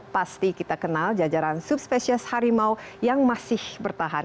jadi kita kenal jajaran subspecies harimau yang masih bertahan